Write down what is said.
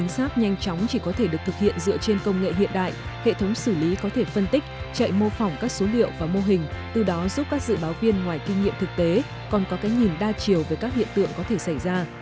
xác nhanh chóng chỉ có thể được thực hiện dựa trên công nghệ hiện đại hệ thống xử lý có thể phân tích chạy mô phỏng các số liệu và mô hình từ đó giúp các dự báo viên ngoài kinh nghiệm thực tế còn có cái nhìn đa chiều về các hiện tượng có thể xảy ra